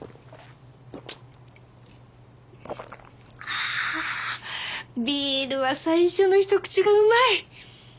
ああビールは最初の一口がうまい！